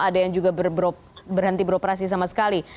ada yang juga berhenti beroperasi sama sekali